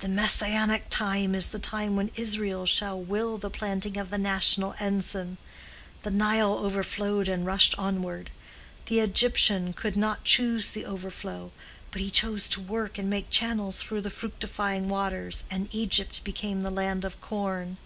The Messianic time is the time when Israel shall will the planting of the national ensign. The Nile overflowed and rushed onward: the Egyptian could not choose the overflow, but he chose to work and make channels for the fructifying waters, and Egypt became the land of corn.